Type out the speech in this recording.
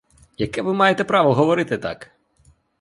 Яке ви маєте право говорити так?